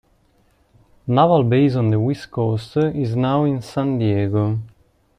Naval base on the west coast is now in San Diego.